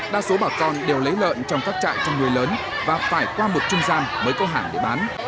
đa số bà con đều lấy lợn trong các trại trong người lớn và phải qua một trung gian mới có hãng để bán